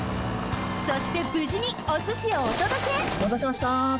そしてぶじにおすしをおとどけおまたせしました。